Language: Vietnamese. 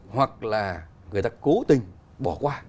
hoặc là người ta cố tình bỏ qua